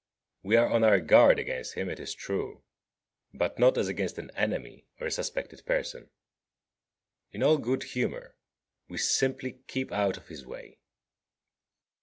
We are on our guard against him, it is true, but not as against an enemy or a suspected person. In all good humour we simply keep out of his way.